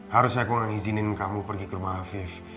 harusnya aku gak ngizinin kamu pergi ke rumah afif